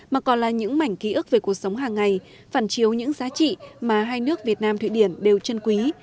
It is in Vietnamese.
mà còn là những mảnh ký ức về cuộc sống hàng ngày phản chiếu những giá trị mà hai nước việt nam thụy điển đều chân quý